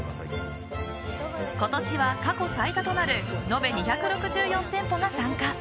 今年は過去最多となる述べ２６４店舗が参加。